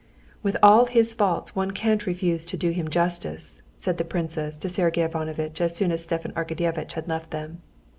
"With all his faults one can't refuse to do him justice," said the princess to Sergey Ivanovitch as soon as Stepan Arkadyevitch had left them.